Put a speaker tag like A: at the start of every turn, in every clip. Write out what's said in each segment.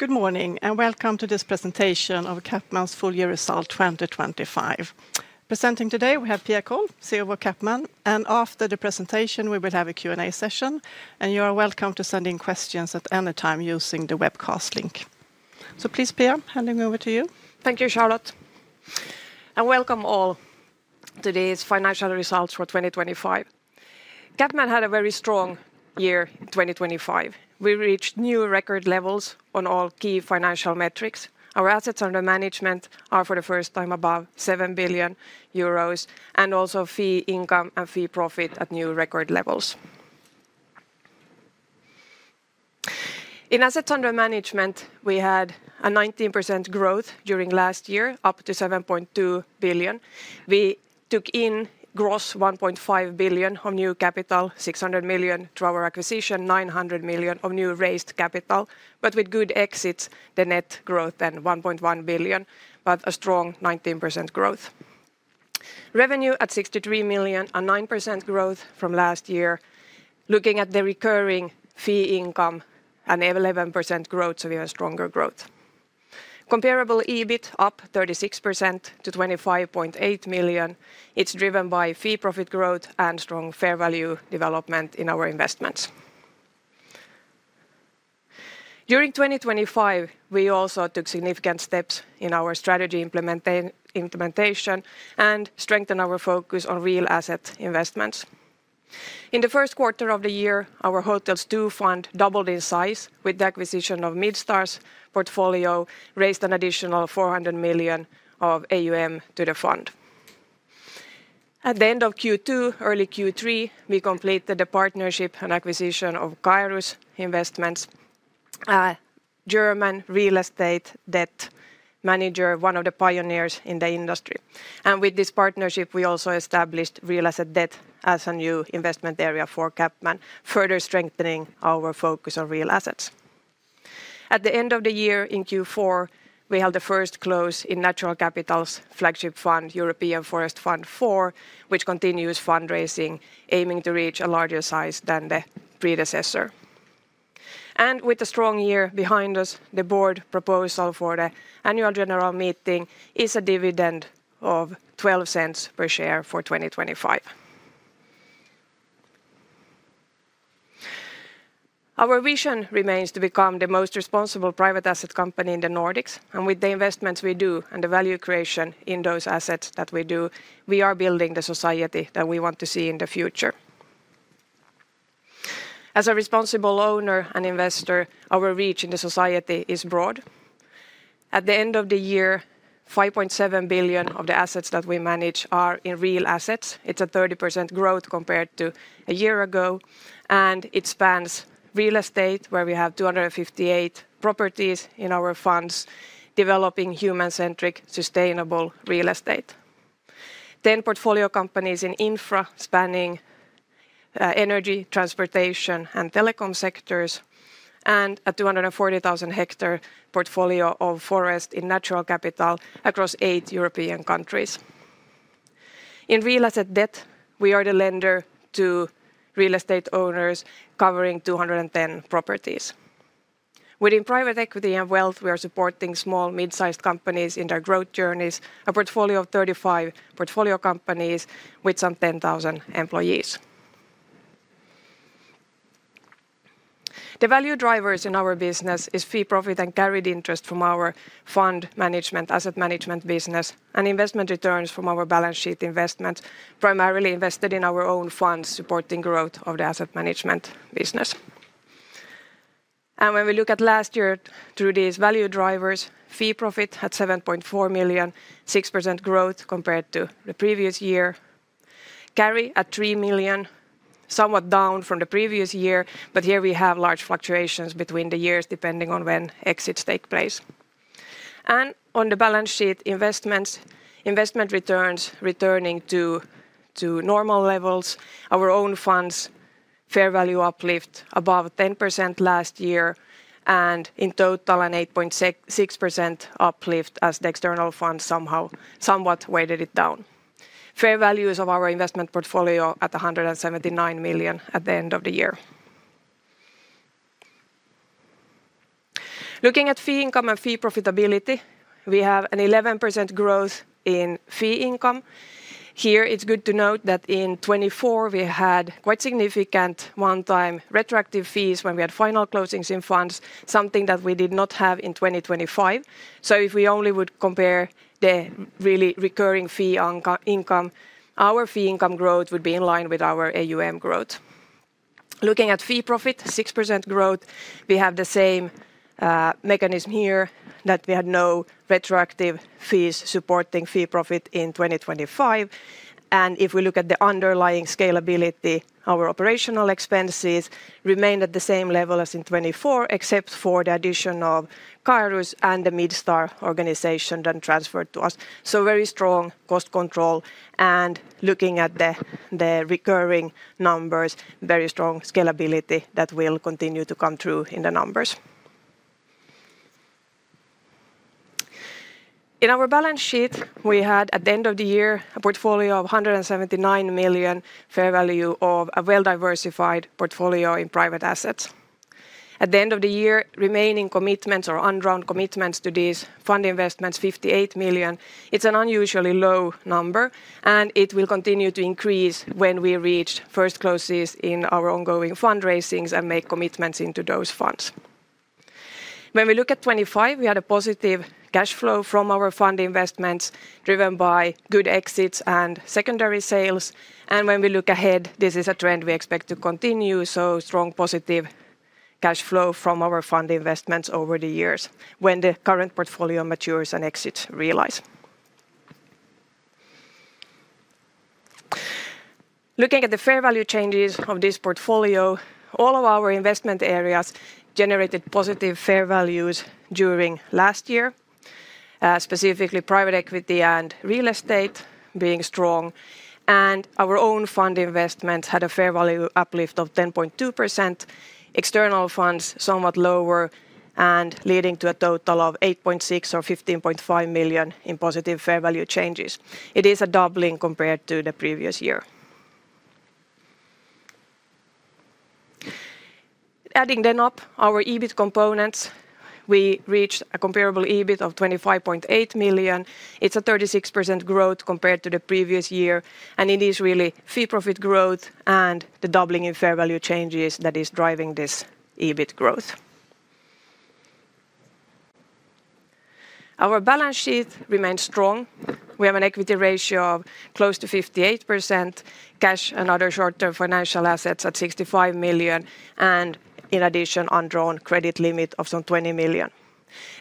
A: Good morning, and welcome to this presentation of CapMan's full year result 2025. Presenting today, we have Pia Kåll, CEO of CapMan, and after the presentation, we will have a Q&A session, and you are welcome to send in questions at any time using the webcast link. So please, Pia, handing over to you.
B: Thank you, Charlotte, and welcome all. Today's financial results for 2025. CapMan had a very strong year in 2025. We reached new record levels on all key financial metrics. Our assets under management are, for the first time, above 7 billion euros, and also fee income and fee profit at new record levels. In assets under management, we had a 19% growth during last year, up to 7.2 billion. We took in gross 1.5 billion of new capital, 600 million through our acquisition, 900 million of new raised capital. But with good exits, the net growth then 1.1 billion, but a strong 19% growth. Revenue at 63 million, a 9% growth from last year. Looking at the recurring fee income, an 11% growth, so we have stronger growth. Comparable EBIT up 36% to 25.8 million. It's driven by fee profit growth and strong fair value development in our investments. During 2025, we also took significant steps in our strategy implementation, and strengthened our focus on real asset investments. In the first quarter of the year, our Hotels II fund doubled in size with the acquisition of Midstar's portfolio, raised an additional 400 million of AUM to the fund. At the end of Q2, early Q3, we completed the partnership and acquisition of Caerus Investments, a German real estate debt manager, one of the pioneers in the industry. With this partnership, we also established real asset debt as a new investment area for CapMan, further strengthening our focus on real assets. At the end of the year in Q4, we held the first close in Natural Capital's flagship fund, European Forest Fund IV, which continues fundraising, aiming to reach a larger size than the predecessor. With the strong year behind us, the board proposal for the Annual General Meeting is a dividend of 0.12 per share for 2025. Our vision remains to become the most responsible private asset company in the Nordics, and with the investments we do and the value creation in those assets that we do, we are building the society that we want to see in the future. As a responsible owner and investor, our reach in the society is broad. At the end of the year, 5.7 billion of the assets that we manage are in real assets. It's a 30% growth compared to a year ago, and it spans real estate, where we have 258 properties in our funds, developing human-centric, sustainable real estate. 10 portfolio companies in Infra, spanning energy, transportation, and telecom sectors, and a 240,000-hectare portfolio of forest in Natural Capital across eight European countries. In real asset debt, we are the lender to real estate owners, covering 210 properties. Within private equity and Wealth, we are supporting small, mid-sized companies in their growth journeys, a portfolio of 35 portfolio companies with some 10,000 employees. The value drivers in our business is fee profit and carried interest from our fund management, asset management business, and investment returns from our balance sheet investment, primarily invested in our own funds, supporting growth of the asset management business. When we look at last year through these value drivers, fee profit at 7.4 million, 6% growth compared to the previous year. Carry at 3 million, somewhat down from the previous year, but here we have large fluctuations between the years, depending on when exits take place. On the balance sheet, investments, investment returns returning to normal levels. Our own funds, fair value uplift above 10% last year, and in total, an 8.6% uplift, as the external funds somehow somewhat weighted it down. Fair values of our investment portfolio at 179 million at the end of the year. Looking at fee income and fee profitability, we have an 11% growth in fee income. Here, it's good to note that in 2024, we had quite significant one-time retroactive fees when we had final closings in funds, something that we did not have in 2025. So if we only would compare the really recurring fee income, our fee income growth would be in line with our AUM growth. Looking at fee profit, 6% growth, we have the same mechanism here, that we had no retroactive fees supporting fee profit in 2025. And if we look at the underlying scalability, our operational expenses remained at the same level as in 2024, except for the addition of Caerus and the Midstar organization then transferred to us. So very strong cost control, and looking at the recurring numbers, very strong scalability that will continue to come through in the numbers. In our balance sheet, we had, at the end of the year, a portfolio of 179 million fair value of a well-diversified portfolio in private assets. At the end of the year, remaining commitments or undrawn commitments to these fund investments, 58 million. It's an unusually low number, and it will continue to increase when we reach first closes in our ongoing fundraisings and make commitments into those funds. When we look at 2025, we had a positive cash flow from our fund investments, driven by good exits and secondary sales, and when we look ahead, this is a trend we expect to continue, so strong, positive cash flow from our fund investments over the years when the current portfolio matures and exits realize. Looking at the fair value changes of this portfolio, all of our investment areas generated positive fair values during last year, specifically private equity and real estate being strong, and our own fund investments had a fair value uplift of 10.2%. External funds, somewhat lower, and leading to a total of 8.6 or 15.5 million in positive fair value changes. It is a doubling compared to the previous year. Adding them up, our EBIT components, we reached a comparable EBIT of 25.8 million. It's a 36% growth compared to the previous year, and it is really fee profit growth and the doubling in fair value changes that is driving this EBIT growth. Our balance sheet remains strong. We have an equity ratio of close to 58%, cash and other short-term financial assets at 65 million, and in addition, undrawn credit limit of some 20 million.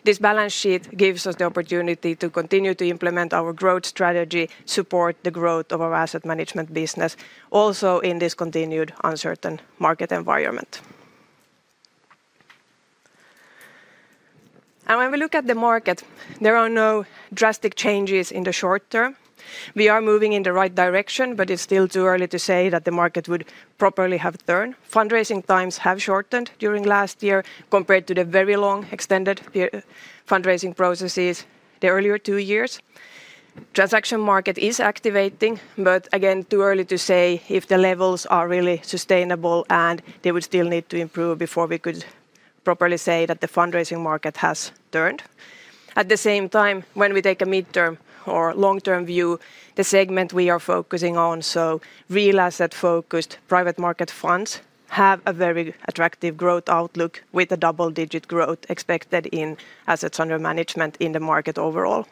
B: This balance sheet gives us the opportunity to continue to implement our growth strategy, support the growth of our asset management business, also in this continued uncertain market environment. When we look at the market, there are no drastic changes in the short term. We are moving in the right direction, but it's still too early to say that the market would properly have turned. Fundraising times have shortened during last year compared to the very long, extended fundraising processes the earlier two years. Transaction market is activating, but again, too early to say if the levels are really sustainable, and they would still need to improve before we could properly say that the fundraising market has turned. At the same time, when we take a midterm or long-term view, the segment we are focusing on, so real asset-focused private market funds, have a very attractive growth outlook, with a double-digit growth expected in assets under management in the market overall.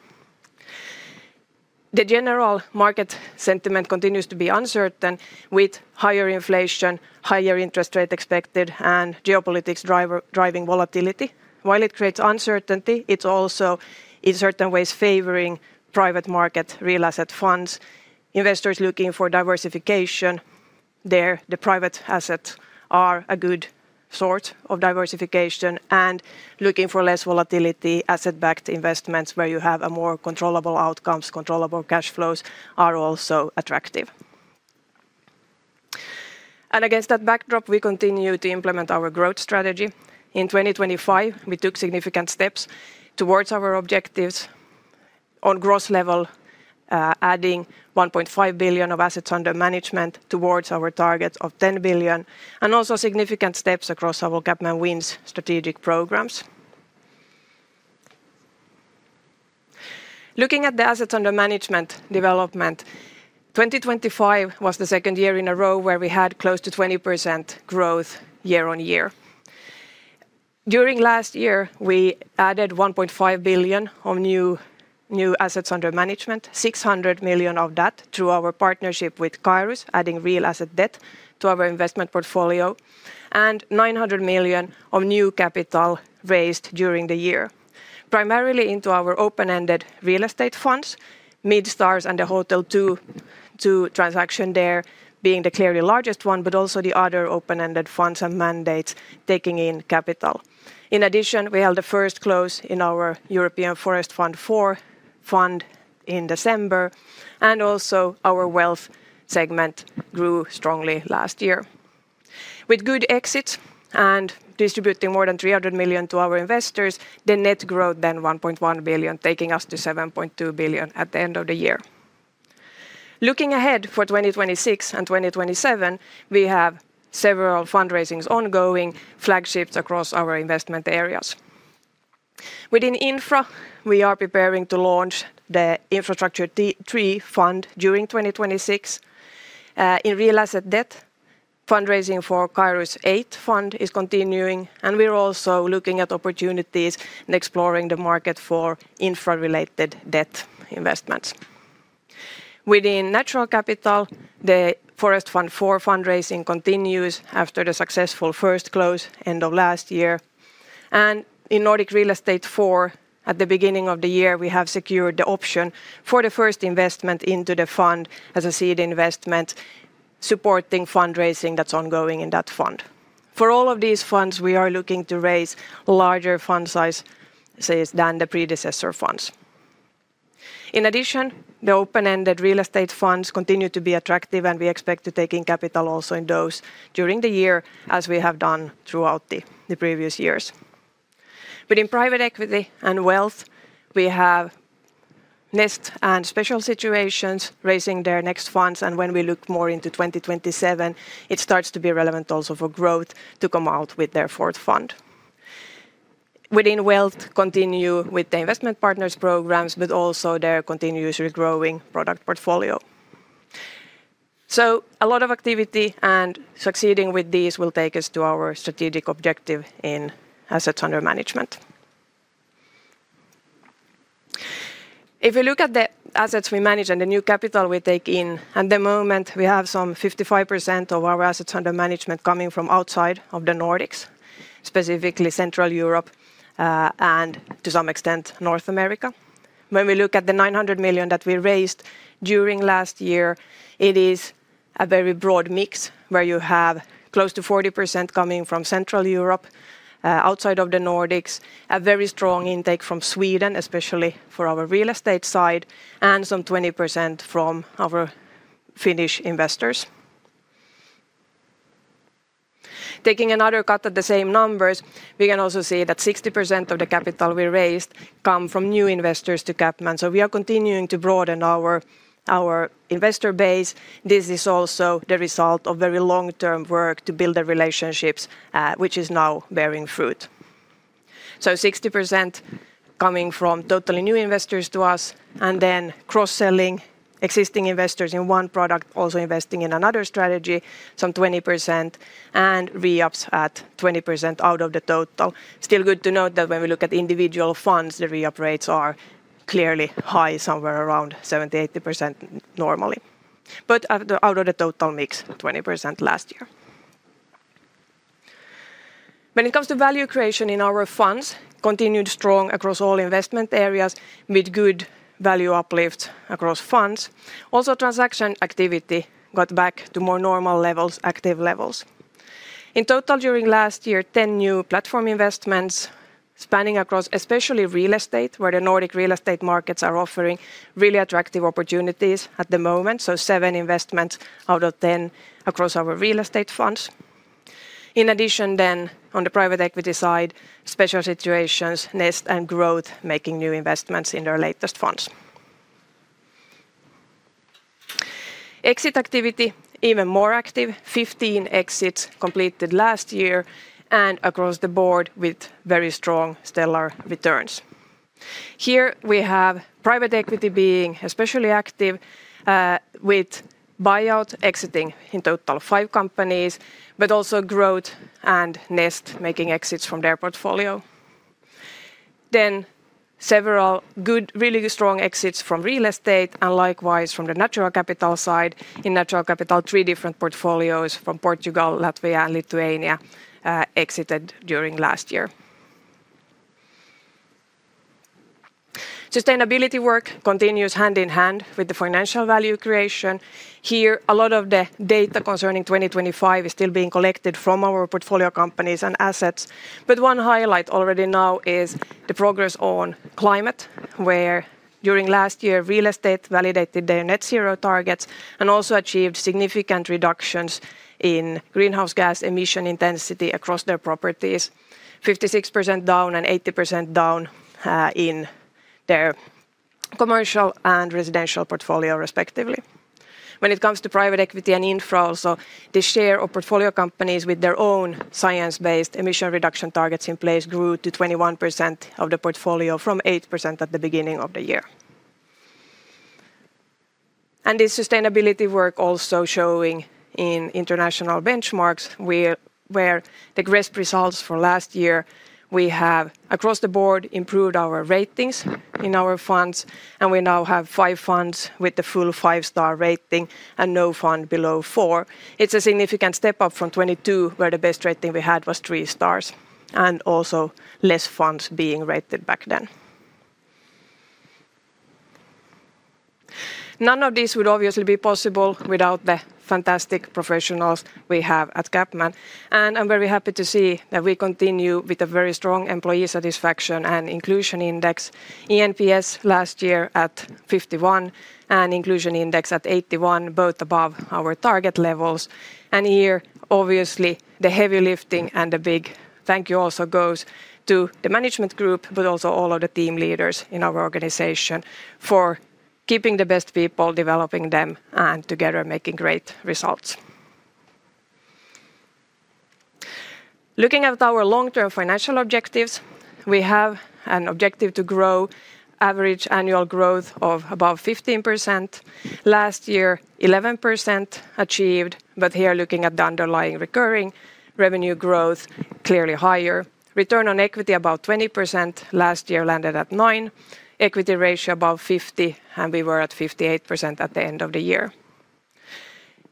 B: The general market sentiment continues to be uncertain, with higher inflation, higher interest rate expected, and geopolitics driving volatility. While it creates uncertainty, it's also, in certain ways, favoring private market real asset funds. Investors looking for diversification, there, the private assets are a good source of diversification, and looking for less volatility, asset-backed investments, where you have a more controllable outcomes, controllable cash flows, are also attractive. And against that backdrop, we continue to implement our growth strategy. In 2025, we took significant steps towards our objectives on gross level, adding 1.5 billion of assets under management towards our target of 10 billion, and also significant steps across our CapMan Wins strategic programs. Looking at the assets under management development, 2025 was the second year in a row where we had close to 20% growth year-on-year. During last year, we added 1.5 billion of new assets under management, 600 million of that through our partnership with Caerus, adding real asset debt to our investment portfolio, and 900 million of new capital raised during the year, primarily into our open-ended real estate funds, Midstar and the Hotels II transaction there being the clearly largest one, but also the other open-ended funds and mandates taking in capital. In addition, we held a first close in our European Forest Fund IV in December, and also our Wealth segment grew strongly last year. With good exits and distributing more than 300 million to our investors, the net growth, then, 1.1 billion, taking us to 7.2 billion at the end of the year. Looking ahead for 2026 and 2027, we have several fundraisings ongoing, flagships across our investment areas. Within Infra, we are preparing to launch the CapMan Infra III during 2026. In real asset debt, fundraising for Caerus VIII is continuing, and we're also looking at opportunities and exploring the market for Infra-related debt investments. Within Natural Capital, the European Forest Fund IV fundraising continues after the successful first close, end of last year. And in CapMan Nordic Real Estate IV, at the beginning of the year, we have secured the option for the first investment into the fund as a seed investment, supporting fundraising that's ongoing in that fund. For all of these funds, we are looking to raise larger fund size, sizes than the predecessor funds. In addition, the open-ended real estate funds continue to be attractive, and we expect to take in capital also in those during the year, as we have done throughout the previous years. But in private equity and Wealth, we have Nest and Special Situations raising their next funds, and when we look more into 2027, it starts to be relevant also for growth to come out with their fourth fund. Within Wealth, continue with the investment partners programs, but also their continuously growing product portfolio. So a lot of activity, and succeeding with these will take us to our strategic objective in assets under management. If you look at the assets we manage and the new capital we take in, at the moment, we have some 55% of our assets under management coming from outside of the Nordics, specifically Central Europe, and to some extent, North America. When we look at the 900 million that we raised during last year, it is a very broad mix, where you have close to 40% coming from Central Europe, outside of the Nordics, a very strong intake from Sweden, especially for our real estate side, and some 20% from our Finnish investors. Taking another cut at the same numbers, we can also see that 60% of the capital we raised come from new investors to CapMan, so we are continuing to broaden our investor base. This is also the result of very long-term work to build the relationships, which is now bearing fruit. So 60% coming from totally new investors to us, and then cross-selling existing investors in one product, also investing in another strategy, some 20%, and re-ups at 20% out of the total. Still good to note that when we look at individual funds, the re-up rates are clearly high, somewhere around 70%-80% normally. But out of the total mix, 20% last year. When it comes to value creation in our funds, continued strong across all investment areas, with good value uplift across funds. Also, transaction activity got back to more normal levels, active levels. In total, during last year, 10 new platform investments spanning across, especially real estate, where the Nordic real estate markets are offering really attractive opportunities at the moment, so 7 investments out of 10 across our real estate funds. In addition, then, on the private equity side, special situations, Nest and Growth, making new investments in their latest funds. Exit activity, even more active. 15 exits completed last year, and across the board with very strong, stellar returns. Here, we have private equity being especially active, with buyout exiting in total five companies, but also Growth and Nest making exits from their portfolio. Then several good, really strong exits from real estate, and likewise from the Natural Capital side. In Natural Capital, three different portfolios from Portugal, Latvia, and Lithuania exited during last year. Sustainability work continues hand in hand with the financial value creation. Here, a lot of the data concerning 2025 is still being collected from our portfolio companies and assets, but one highlight already now is the progress on climate, where during last year, real estate validated their net zero targets and also achieved significant reductions in greenhouse gas emission intensity across their properties, 56% down and 80% down in their commercial and residential portfolio, respectively. When it comes to private equity and Infra also, the share of portfolio companies with their own science-based emission reduction targets in place grew to 21% of the portfolio, from 8% at the beginning of the year. The sustainability work also showing in international benchmarks, where the best results for last year, we have, across the board, improved our ratings in our funds, and we now have five funds with the full 5-star rating and no fund below four. It's a significant step up from 2022, where the best rating we had was three stars, and also less funds being rated back then. None of this would obviously be possible without the fantastic professionals we have at CapMan, and I'm very happy to see that we continue with a very strong employee satisfaction and Inclusion Index. eNPS last year at 51, and Inclusion Index at 81, both above our target levels. And here, obviously, the heavy lifting and the big thank you also goes to the management group, but also all of the team leaders in our organization for keeping the best people, developing them, and together, making great results. Looking at our long-term financial objectives, we have an objective to grow average annual growth of about 15%. Last year, 11% achieved, but here, looking at the underlying recurring revenue growth, clearly higher. Return on equity, about 20%. Last year landed at 9%. Equity ratio above 50, and we were at 58% at the end of the year.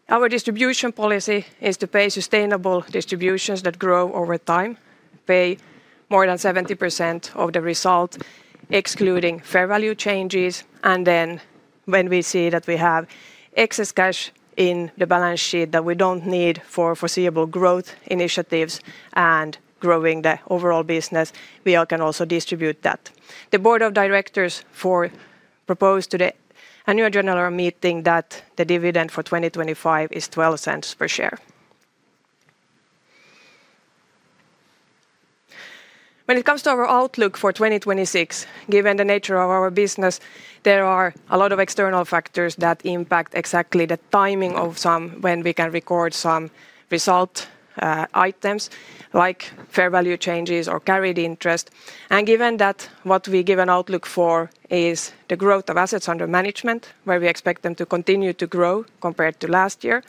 B: Our distribution policy is to pay sustainable distributions that grow over time, pay more than 70% of the result, excluding fair value changes, and then-... When we see that we have excess cash in the balance sheet that we don't need for foreseeable growth initiatives and growing the overall business, we all can also distribute that. The board of directors proposed to the Annual General Meeting that the dividend for 2025 is 0.12 per share. When it comes to our outlook for 2026, given the nature of our business, there are a lot of external factors that impact exactly the timing of some when we can record some result items, like fair value changes or carried interest. And given that, what we give an outlook for is the growth of assets under management, where we expect them to continue to grow compared to last year,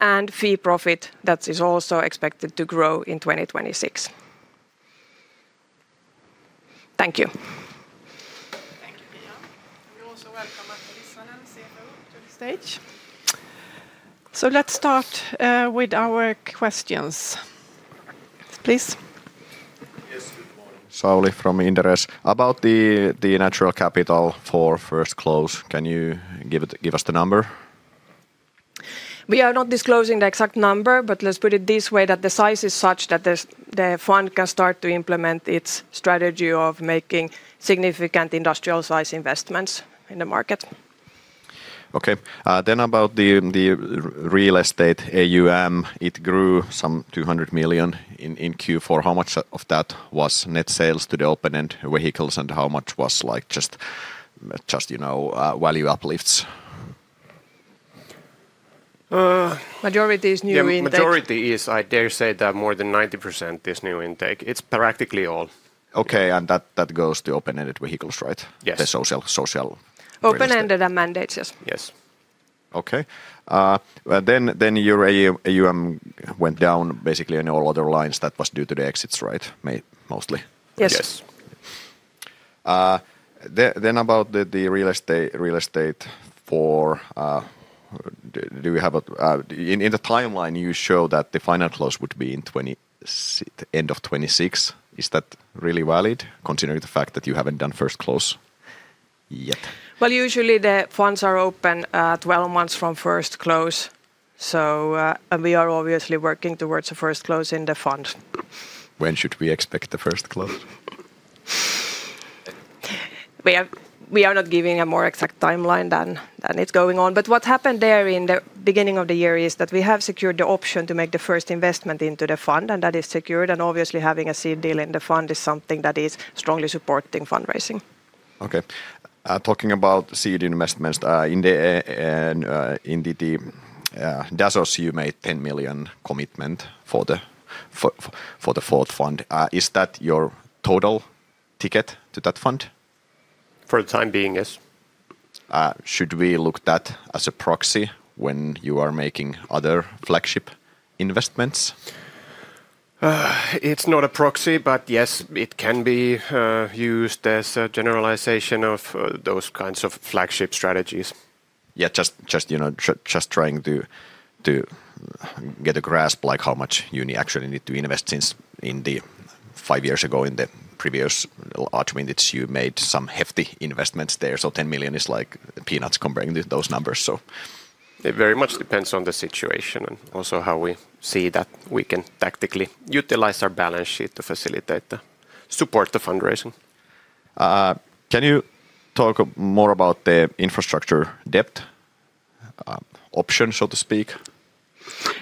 B: and fee profit, that is also expected to grow in 2026. Thank you.
C: Thank you, Pia. We also welcome Atte Rissanen, CFO, to the stage. Let's start with our questions. Please?
D: Yes, good morning. Sauli from Inderes. About the Natural Capital for first close, can you give us the number?
B: We are not disclosing the exact number, but let's put it this way, that the size is such that this, the fund can start to implement its strategy of making significant industrial-size investments in the market.
D: Okay. Then about the real estate AUM, it grew some 200 million in Q4. How much of that was net sales to the open-end vehicles, and how much was, like, just, just, you know, value uplifts?
B: Majority is new intake.
E: Yeah, majority is, I dare say that more than 90% is new intake. It's practically all.
D: Okay, and that goes to open-ended vehicles, right?
E: Yes.
D: The social.
B: Open-ended and mandates, yes.
D: Yes. Okay. Well, then your AUM went down basically in all other lines. That was due to the exits, right, mostly?
B: Yes.
E: Yes.
D: Then, about the real estate. Do you have a... In the timeline, you show that the final close would be in the 2020s, end of 2026. Is that really valid, considering the fact that you haven't done first close yet?
B: Well, usually the funds are open 12 months from first close, so and we are obviously working towards a first close in the fund.
D: When should we expect the first close?
B: We are not giving a more exact timeline than it's going on. But what happened there in the beginning of the year is that we have secured the option to make the first investment into the fund, and that is secured, and obviously having a seed deal in the fund is something that is strongly supporting fundraising.
D: Okay. Talking about seed investments in the Dasos, you made 10 million commitment for the fourth fund. Is that your total ticket to that fund?
E: For the time being, yes.
D: Should we look that as a proxy when you are making other flagship investments?
E: It's not a proxy, but yes, it can be used as a generalization of those kinds of flagship strategies.
D: Yeah, just you know, just trying to get a grasp, like, how much you actually need to invest, since five years ago, in the previous augments, you made some hefty investments there. So 10 million is like peanuts comparing with those numbers, so...
E: It very much depends on the situation and also how we see that we can tactically utilize our balance sheet to facilitate the... support the fundraising.
D: Can you talk more about the infrastructure debt option, so to speak?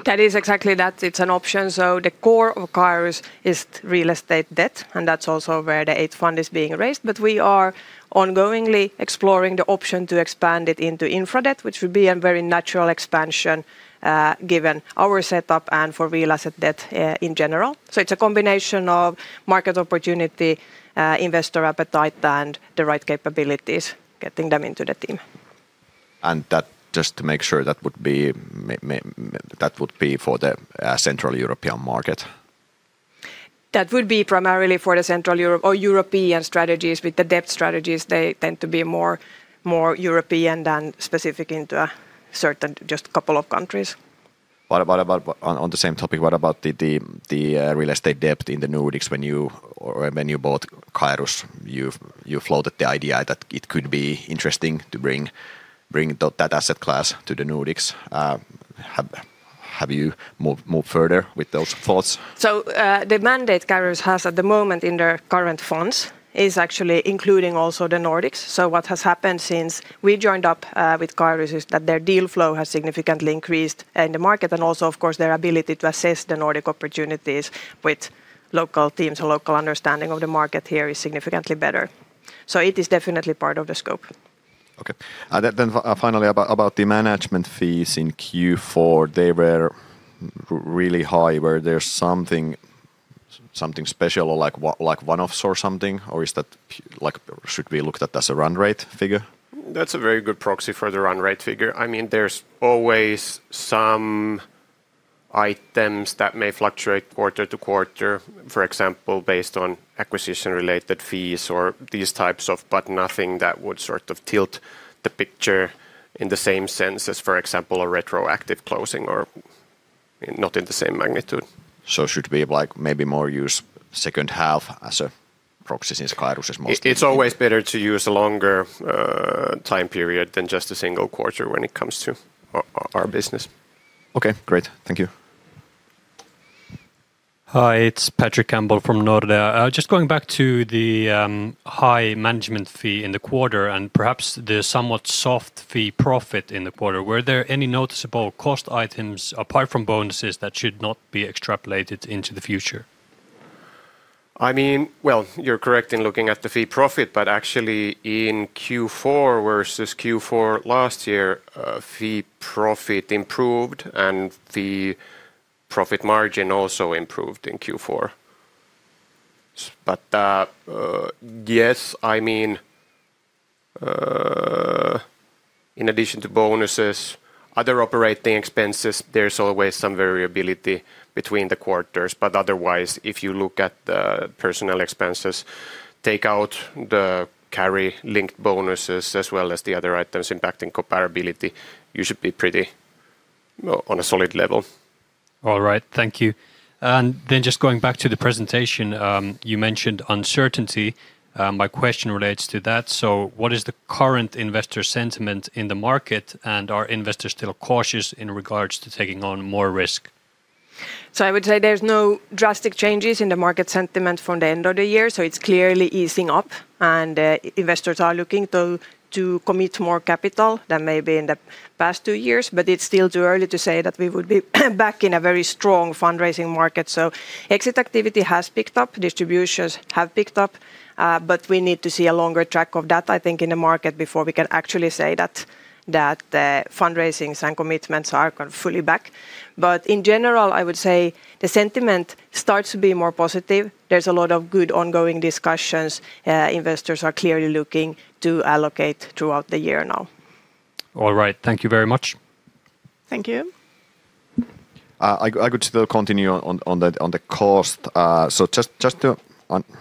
B: That is exactly that. It's an option, so the core of Caerus is real estate debt, and that's also where the eighth fund is being raised. But we are ongoingly exploring the option to expand it into Infra debt, which would be a very natural expansion, given our setup and for real asset debt, in general. So it's a combination of market opportunity, investor appetite, and the right capabilities, getting them into the team.
D: That, just to make sure, that would be for the Central European market?
B: That would be primarily for the Central Europe or European strategies. With the debt strategies, they tend to be more European than specific into a certain just couple of countries.
D: What about... On the same topic, what about the real estate debt in the Nordics when you bought Caerus? You floated the idea that it could be interesting to bring that asset class to the Nordics. Have you moved further with those thoughts?
B: So, the mandate Caerus has at the moment in their current funds is actually including also the Nordics. So what has happened since we joined up with Caerus is that their deal flow has significantly increased in the market, and also, of course, their ability to assess the Nordic opportunities with local teams and local understanding of the market here is significantly better. So it is definitely part of the scope.
D: Okay. Then, finally, about about the management fees in Q4, they were really high. Were there something something special or like one-offs or something, or is that like, should we look at that as a run rate figure?
E: That's a very good proxy for the run rate figure. I mean, there's always some items that may fluctuate quarter to quarter, for example, based on acquisition-related fees or these types of... but nothing that would sort of tilt the picture in the same sense as, for example, a retroactive closing or... not in the same magnitude.
D: Should we like maybe more use second half as a proxy since Caerus is most-?
E: It's always better to use a longer time period than just a single quarter when it comes to our business.
D: Okay, great. Thank you.
F: Hi, it's Patrik Setterberg from Nordea. Just going back to the high management fee in the quarter, and perhaps the somewhat soft fee profit in the quarter, were there any noticeable cost items apart from bonuses that should not be extrapolated into the future?
E: I mean, well, you're correct in looking at the fee profit, but actually, in Q4 versus Q4 last year, fee profit improved, and the profit margin also improved in Q4. But, yes, I mean, in addition to bonuses, other operating expenses, there's always some variability between the quarters, but otherwise, if you look at the personnel expenses, take out the carry-linked bonuses as well as the other items impacting comparability, you should be pretty on a solid level.
F: All right, thank you. Then just going back to the presentation, you mentioned uncertainty. My question relates to that. So what is the current investor sentiment in the market, and are investors still cautious in regards to taking on more risk?
B: I would say there's no drastic changes in the market sentiment from the end of the year, so it's clearly easing up, and investors are looking to commit more capital than maybe in the past two years. But it's still too early to say that we would be back in a very strong fundraising market. Exit activity has picked up, distributions have picked up, but we need to see a longer track of that, I think, in the market before we can actually say that the fundraisings and commitments are kind of fully back. But in general, I would say the sentiment starts to be more positive. There's a lot of good ongoing discussions. Investors are clearly looking to allocate throughout the year now.
F: All right. Thank you very much.
B: Thank you.
D: I could still continue on the cost. So just to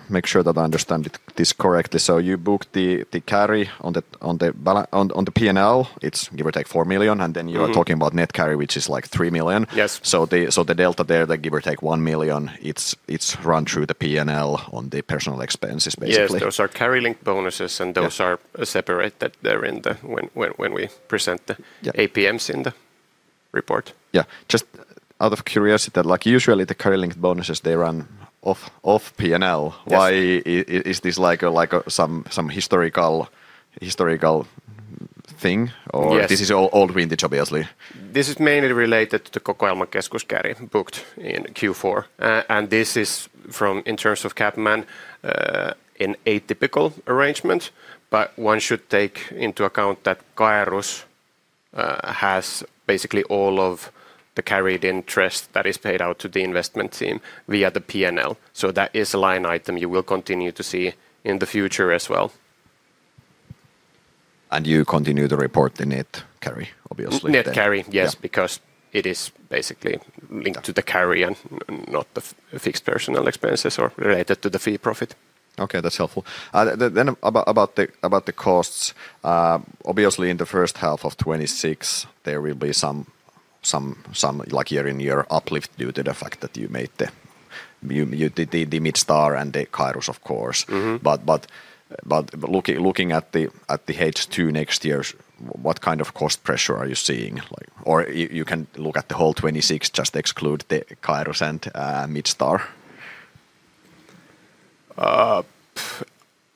D: make sure that I understand it this correctly, so you booked the carry on the P&L. It's give or take 4 million-
E: Mm-hmm...
D: and then you are talking about net carry, which is, like, 3 million.
E: Yes.
D: So the delta there, give or take 1 million, it's run through the P&L on the personnel expenses, basically?
E: Yes, those are carry-linked bonuses-
D: Yeah...
E: and those are separated. They're in the, when we present the-
D: Yeah...
E: APMs in the report.
D: Yeah. Just out of curiosity, like, usually the carry-linked bonuses, they run off, off P&L.
E: Yes.
D: Why is this like a some historical thing?
E: Yes.
D: This is old vintage, obviously.
E: This is mainly related to Kokoelmakeskus carry booked in Q4. This is from, in terms of CapMan, an atypical arrangement, but one should take into account that Caerus has basically all of the carried interest that is paid out to the investment team via the P&L, so that is a line item you will continue to see in the future as well.
D: You continue to report the net carry, obviously, then?
E: Net carry, yes-
D: Yeah...
E: because it is basically linked-
D: Yeah...
E: to the carry and not the fixed personal expenses or related to the fee profit.
D: Okay, that's helpful. Then about the costs, obviously, in the first half of 2026, there will be some like year-on-year uplift due to the fact that you made the... you did the Midstar and the Caerus, of course.
E: Mm-hmm.
D: But, but, but looking at the H2 next year, what kind of cost pressure are you seeing? Like... Or you can look at the whole 2026, just exclude the Caerus and Midstar.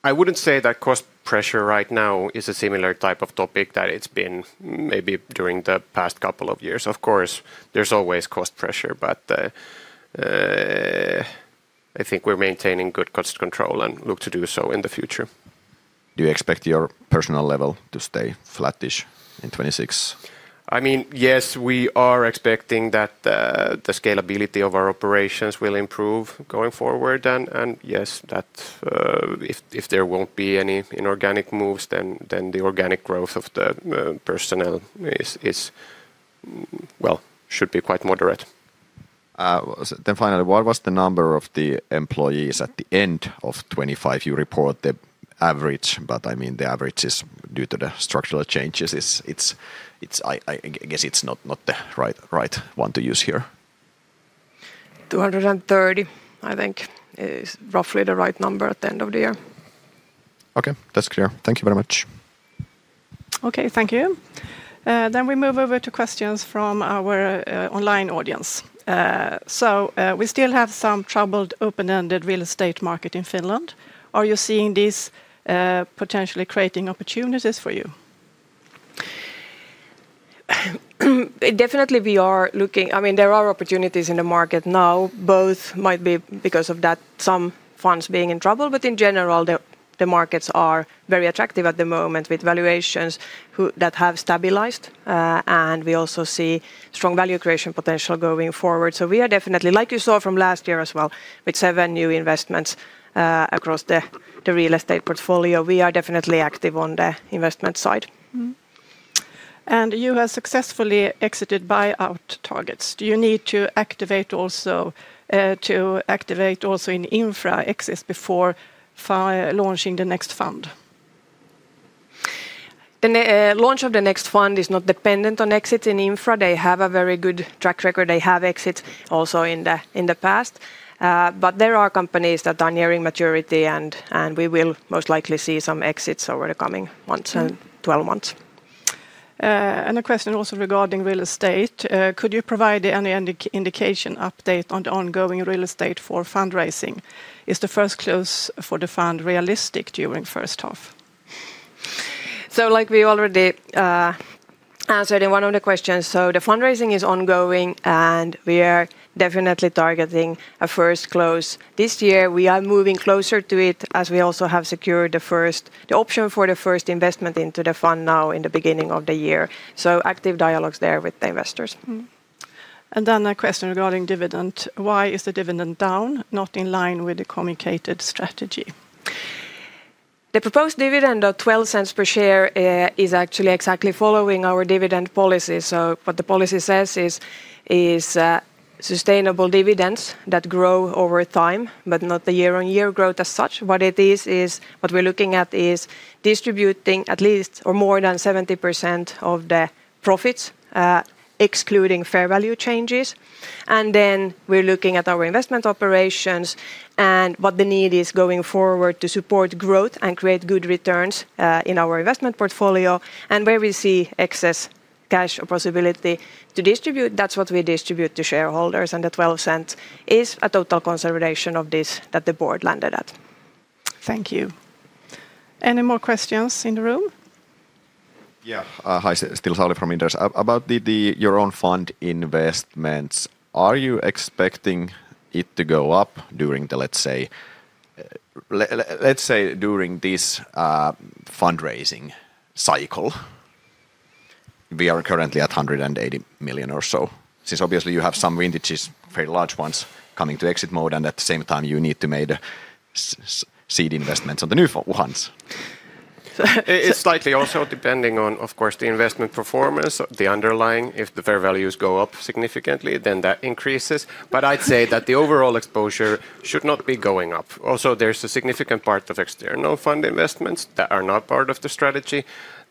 E: I wouldn't say that cost pressure right now is a similar type of topic that it's been maybe during the past couple of years. Of course, there's always cost pressure, but, I think we're maintaining good cost control and look to do so in the future.
D: Do you expect your personnel level to stay flattish in 2026?
E: I mean, yes, we are expecting that the scalability of our operations will improve going forward. And, yes, that if there won't be any inorganic moves, then the organic growth of the personnel is... well, should be quite moderate.
D: So then finally, what was the number of the employees at the end of 2025? You report the average, but, I mean, the average is due to the structural changes. It's... I guess it's not, not the right, right one to use here.
B: 230, I think, is roughly the right number at the end of the year.
D: Okay, that's clear. Thank you very much.
A: Okay, thank you. Then we move over to questions from our online audience. So, we still have some troubled open-ended real estate market in Finland. Are you seeing this potentially creating opportunities for you?
B: Definitely, we are looking. I mean, there are opportunities in the market now, both might be because of that, some funds being in trouble, but in general, the markets are very attractive at the moment with valuations that have stabilized. And we also see strong value creation potential going forward. So we are definitely, like you saw from last year as well, with seven new investments, across the real estate portfolio, we are definitely active on the investment side.
A: Mm-hmm. And you have successfully exited buyout targets. Do you need to activate also, to activate also in Infra exits before launching the next fund?...
B: The launch of the next fund is not dependent on exit in Infra. They have a very good track record. They have exit also in the past. But there are companies that are nearing maturity, and we will most likely see some exits over the coming months and 12 months.
A: A question also regarding real estate. Could you provide any indication, update on the ongoing real estate for fundraising? Is the first close for the fund realistic during first half?
B: Like we already answered in one of the questions, so the fundraising is ongoing, and we are definitely targeting a first close this year. We are moving closer to it, as we also have secured the option for the first investment into the fund now in the beginning of the year, so active dialogues there with the investors.
A: Mm-hmm. And then a question regarding dividend: Why is the dividend down, not in line with the communicated strategy?
B: The proposed dividend of 0.12 per share is actually exactly following our dividend policy. So what the policy says is sustainable dividends that grow over time, but not the year-on-year growth as such. What it is is what we're looking at is distributing at least or more than 70% of the profits, excluding fair value changes. And then we're looking at our investment operations and what the need is going forward to support growth and create good returns in our investment portfolio and where we see excess cash or possibility to distribute, that's what we distribute to shareholders. And the 0.12 is a total consideration of this that the board landed at.
A: Thank you. Any more questions in the room?
D: Yeah. Hi, it's Sauli from Inderes. About the, your own fund investments, are you expecting it to go up during the, let's say, let's say, during this fundraising cycle? We are currently at 180 million or so. Since obviously you have some vintages, pretty large ones, coming to exit mode, and at the same time, you need to make seed investments on the new funds.
E: It's slightly also depending on, of course, the investment performance, the underlying. If the fair values go up significantly, then that increases. But I'd say that the overall exposure should not be going up. Also, there's a significant part of external fund investments that are not part of the strategy.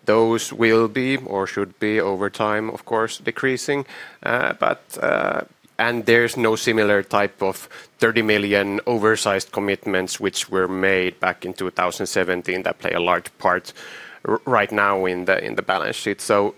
E: Those will be or should be, over time, of course, decreasing. And there's no similar type of 30 million oversized commitments, which were made back in 2017, that play a large part right now in the balance sheet. So,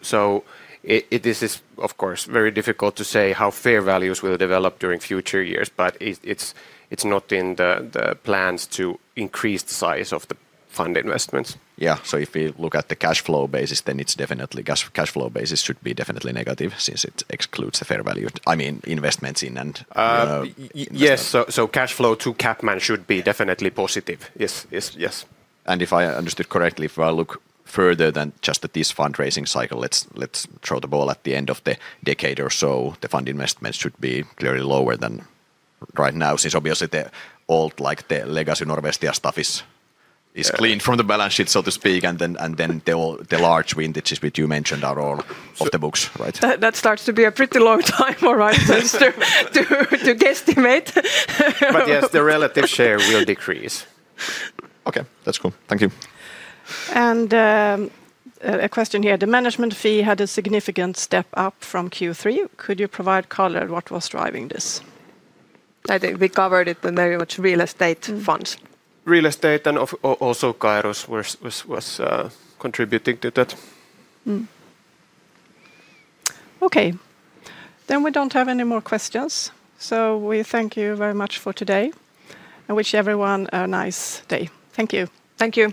E: this is, of course, very difficult to say how fair values will develop during future years, but it's not in the plans to increase the size of the fund investments.
D: Yeah, so if we look at the cash flow basis, then it's definitely... Cash, cash flow basis should be definitely negative since it excludes the fair value, I mean, investments in and, investments-
E: Yes, so cash flow to CapMan should be-
D: Yeah...
E: definitely positive. Yes. Yes. Yes.
D: If I understood correctly, if I look further than just at this fundraising cycle, let's, let's throw the ball at the end of the decade or so, the fund investments should be clearly lower than right now, since obviously the old, like, the legacy Norvestia stuff is, is-
E: Yeah...
D: cleaned from the balance sheet, so to speak, and then all the large vintages, which you mentioned, are all off the books, right?
A: That starts to be a pretty long time horizon to guesstimate.
E: Yes, the relative share will decrease.
D: Okay, that's cool. Thank you.
A: A question here: The management fee had a significant step up from Q3. Could you provide color what was driving this?
B: I think we covered it, the very much real estate funds.
E: Mm-hmm. Real estate and also Caerus was contributing to that.
A: Mm-hmm. Okay, then we don't have any more questions, so we thank you very much for today and wish everyone a nice day. Thank you.
B: Thank you.